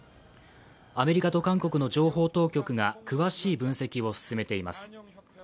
アメリカと韓国の情報当局が詳しい分析を進めています。